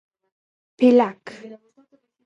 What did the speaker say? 🦃 پېلک